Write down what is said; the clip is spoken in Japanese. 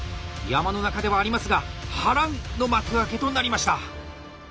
山の中ではありますが波乱の幕開けとなりました。